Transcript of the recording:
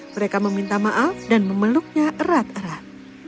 mereka meminta maaf dan memeluknya erat erat